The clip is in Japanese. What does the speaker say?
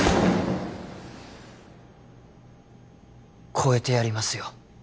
超えてやりますよ